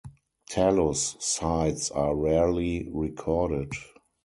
Talus sites are rarely recorded.